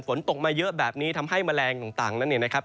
ฝนตกมาเยอะแบบนี้ทำให้แมลงต่างนั้นเนี่ยนะครับ